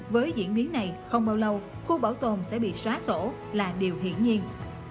với diễn biến này không bao lâu khu bảo tồn sẽ bị xóa sổ là điều hiển nhiên